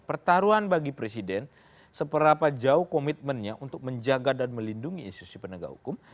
pertaruhan bagi presiden seberapa jauh komitmennya untuk menjaga dan melindungi institusi penegak hukum